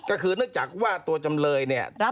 ก็คือเนื่องจากว่าตัวจำเลยเนี่ย